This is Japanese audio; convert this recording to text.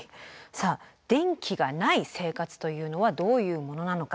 さあ電気がない生活というのはどういうものなのか。